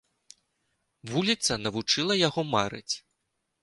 Вуліца навучыла яго марыць.